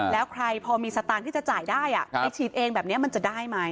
แล้วใครพอมีสตางค์ที่จะจ่ายได้ไปฉีดเองแบบนี้มันจะได้ไหม